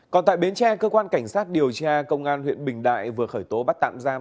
còn tại bến tre cơ quan cảnh sát điều tra công an huyện bình đại vừa khởi tố bắt tạm giam